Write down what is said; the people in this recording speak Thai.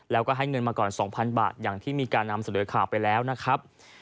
แล้วก็ให้เงินมาก่อน๒๐๐๐บาทอย่างที่มีการนำเสนอข่าวไปแล้วนะครับ